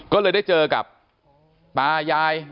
ก็เลยได้เจอกับตายาย